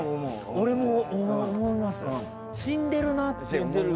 俺も思いますよ。